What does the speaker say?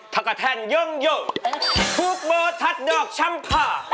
ถ้ากระแทนย่องย่องพลูกเบอร์ทัดดอกชำพ่อ